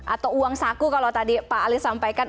atau uang saku kalau tadi pak ali sampaikan